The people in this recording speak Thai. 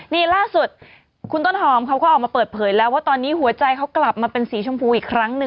นี่ล่าสุดคุณต้นหอมเขาก็ออกมาเปิดเผยแล้วว่าตอนนี้หัวใจเขากลับมาเป็นสีชมพูอีกครั้งหนึ่ง